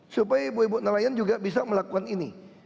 supaya ibu ibu nelayan juga bisa melakukan ini